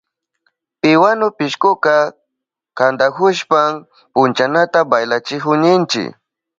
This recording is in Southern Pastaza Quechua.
Piwanu pishkuka kantahushpan punchanata baylachihun ninchi.